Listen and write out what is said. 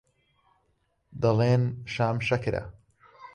دەڵێن شام شەکرە